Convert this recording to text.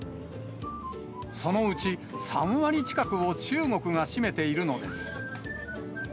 そのうち３割近くを中国が占めているのです。